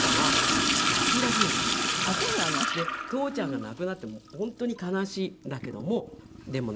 で父ちゃんが亡くなって本当に悲しいんだけどもでもね